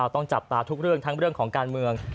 ต้องจับตาทุกเรื่องทั้งเรื่องของการเมือง